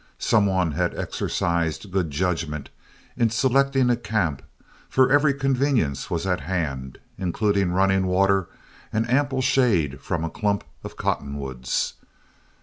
Some one had exercised good judgment in selecting a camp, for every convenience was at hand, including running water and ample shade from a clump of cottonwoods.